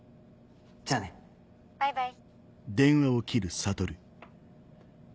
じゃあね。バイバイ。